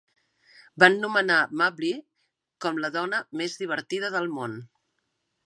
Van nomenar Mabley com "la dona més divertida del món".